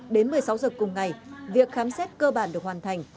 đến một mươi sáu giờ cùng ngày việc khám xét cơ bản được hoàn thành